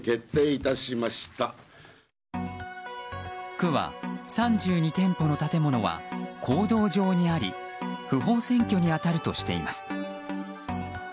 区は３２店舗の建物は公道上にあり不法占拠に当たるとしています。